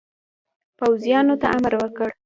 پوځیانو ته امر وکړ.